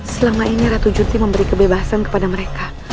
selama ini ratu cuti memberi kebebasan kepada mereka